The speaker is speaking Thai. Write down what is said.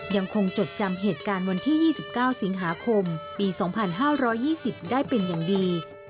จดจำเหตุการณ์วันที่๒๙สิงหาคมปี๒๕๒๐ได้เป็นอย่างดี